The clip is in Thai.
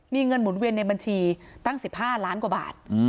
มีเงินหมุนเวียนในบัญชีตั้ง๑๕ล้านกว่าบาท